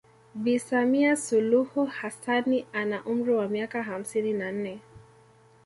Bi Samia Suluhu Hassanni ana umri wa miaka hamsini na nne